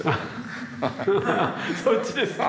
そっちですか！